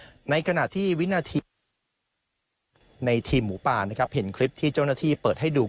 หลังถึงวินะที่เห็นทริปที่เจ้าหน้าที่เปิดให้ดู